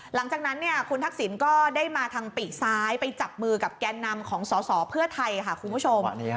หลังจากนั้นคุณทักษิณก็ได้มาทางปีกซ้ายไปจับมือกับแกนนำของสอสอเพื่อไทยค่ะคุณผู้ชม